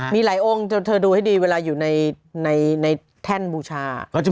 มีหลายองค์จนเธอดูให้ดีเวลาอยู่ในแท่นบูชา